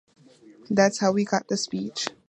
That's how we got the speech.